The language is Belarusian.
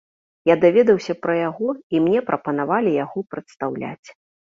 Я даведаўся пра яго, і мне прапанавалі яго прадстаўляць.